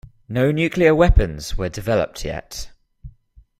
No nuclear weapons were developed yet.